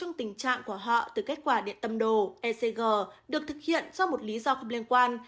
nhưng tình trạng của họ từ kết quả điện tâm đồ ecg được thực hiện do một lý do không liên quan